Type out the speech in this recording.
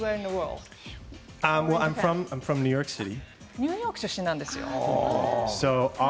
ニューヨーク出身なんですよ。